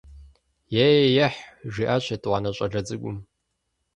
- Ей–ехь, - жиӏащ етӏуанэ щӏалэ цӏыкӏум.